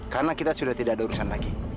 karena kita sudah tidak ada urusan lagi